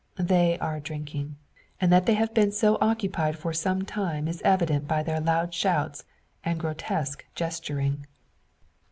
They are drinking; and that they have been so occupied for some time is evident by their loud shouts, and grotesque gesturing.